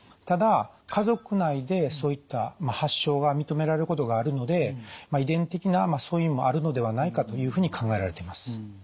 ただ家族内でそういった発症が認められることがあるので遺伝的な素因もあるのではないかというふうに考えられています。